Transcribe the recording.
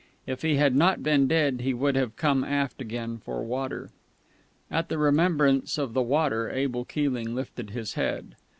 If he had not been dead he would have come aft again for water.... At the remembrance of the water Abel Keeling lifted his head.